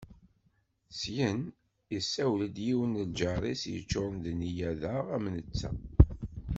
Syin, yessawel-d i yiwen n lǧar-is yeččuren d nneyya daɣ am netta.